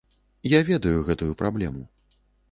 Я ведаю гэтую праблему.